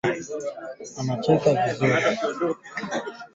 Kutenga wanyama walioambukizwa ni njia ya kukabiliana na ugonjwa wa homa ya mapafu